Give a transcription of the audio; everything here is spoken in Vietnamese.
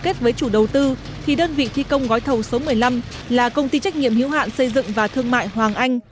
kết với chủ đầu tư thì đơn vị thi công gói thầu số một mươi năm là công ty trách nhiệm hiếu hạn xây dựng và thương mại hoàng anh